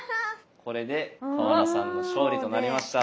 これで川名さんの勝利となりました。